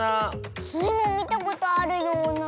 スイもみたことあるような。